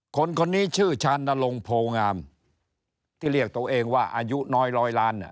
คนนี้ชื่อชานลงโพงามที่เรียกตัวเองว่าอายุน้อยร้อยล้าน